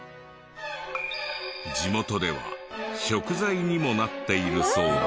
地元では食材にもなっているそうで。